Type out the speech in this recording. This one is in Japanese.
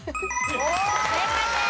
正解です。